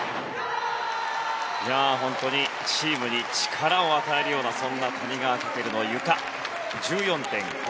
本当にチームに力を与えるようなそんな谷川翔のゆかは１４．５００。